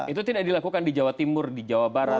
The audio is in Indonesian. itu tidak dilakukan di jawa timur di jawa barat